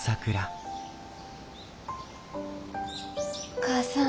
お母さん。